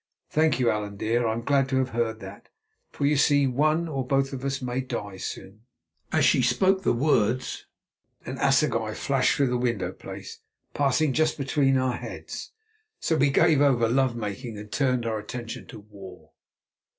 Thank you, Allan dear; I am glad to have heard that, for you see one or both of us may die soon." As she spoke the words, an assegai flashed through the window place, passing just between our heads. So we gave over love making and turned our attention to war.